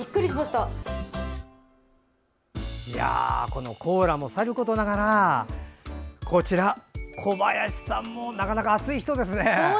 このコーラもさることながらこちら小林さんもなかなか熱い人ですね。